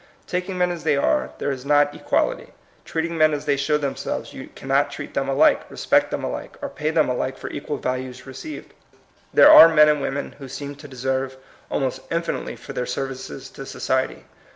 Taking men as they are, there is not equal ity ; treating men as they show themselves, you cannot treat them alike, respect them alike, or pay them alike for equal values received. There are men and women who seem to deserve almost infinitely for their services to society.